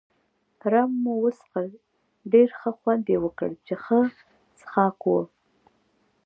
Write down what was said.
رم مو وڅښل، ډېر ښه خوند يې وکړ، چې ښه څښاک وو.